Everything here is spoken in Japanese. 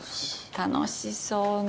楽しそうね。